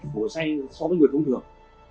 một số say so với người thông thường